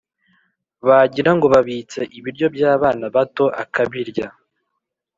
bagira ngo babitse ibiryo by'abana bato akabirya;